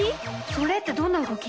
それってどんな動き？